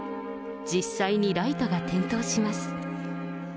実際にライトが点灯します。